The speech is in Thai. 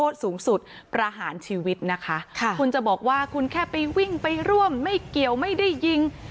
ประหารชีวิตนะคะค่ะคุณจะบอกว่าคุณแค่ไปวิ่งไปร่วมไม่เกี่ยวไม่ได้ยิง